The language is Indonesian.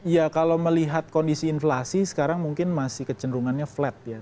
ya kalau melihat kondisi inflasi sekarang mungkin masih kecenderungannya flat ya